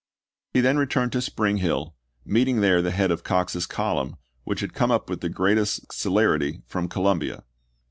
He then returned to Spring Hill, meeting there the head of Cox's column, which had come up with the greatest celerity from Co lumbia.